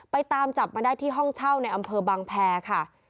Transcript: ตามจับมาได้ที่ห้องเช่าในอำเภอบางแพรค่ะ